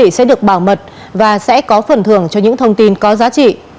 quý vị sẽ được bảo mật và sẽ có phần thưởng cho những thông tin có giá trị